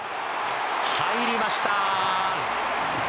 入りました。